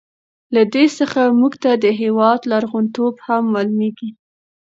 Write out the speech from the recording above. له دې څخه موږ ته د هېواد لرغون توب هم معلوميږي.